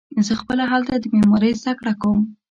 زه خپله هلته د معمارۍ زده کړه کوم.